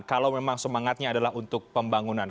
kalau memang semangatnya adalah untuk pembangunan